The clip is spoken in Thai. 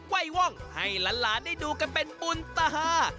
ไหว้ว่องให้ล้านได้ดูกันเป็นอุ่นตา